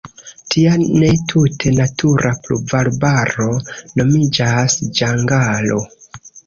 Tia ne tute natura pluvarbaro nomiĝas ĝangalo.